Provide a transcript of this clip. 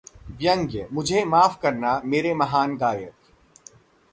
व्यंग्यः मुझे माफ करना मेरे महान गायक